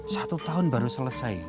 satu tahun baru selesai